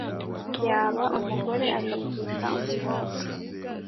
yaba umugore agapfusha umukobwa